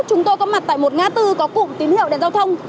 chúng tôi có mặt tại một ngã tư có cụm tín hiệu đèn giao thông